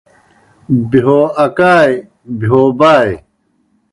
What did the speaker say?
بہیو اکائے۔ بہیو بائے۔